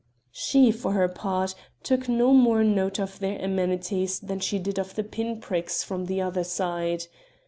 She, for her part, took no more note of their amenities than she did of the pin pricks from the other side.